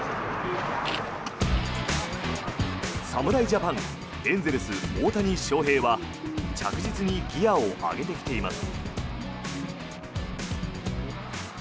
侍ジャパンエンゼルス、大谷翔平は着実にギアを上げてきています。